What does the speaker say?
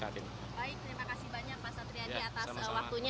baik terima kasih banyak pak satriadi atas waktunya